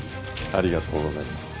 ありがとうございます。